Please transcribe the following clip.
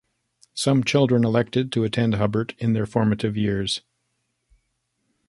Some children elect to attend Hubbard in their formative years.